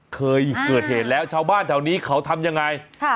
เคยเกิดเหตุแล้วชาวบ้านแถวนี้เขาทำยังไง